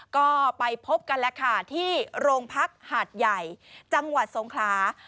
ก็ไปพบกันแล้วค่ะที่โรงพักหาดใหญ่จังหวัดสงครา